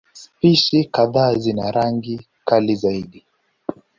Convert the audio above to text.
Spishi kadhaa zina rangi kali zaidi.